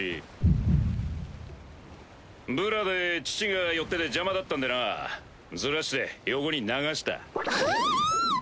ドクンブラで乳が寄ってて邪魔だったんでなずらして横に流した。